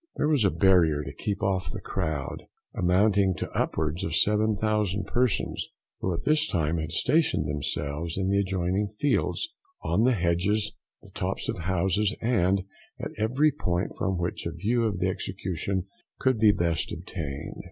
There was a barrier to keep off the crowd, amounting to upwards of 7,000 persons, who at this time had stationed themselves in the adjoining fields, on the hedges, the tops of houses, and at every point from which a view of the execution could be best obtained.